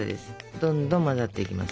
どんどん混ざっていきます。